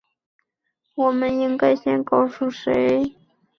我们应该先告诉谁？